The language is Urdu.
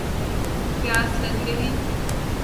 پیاس لَگ رہی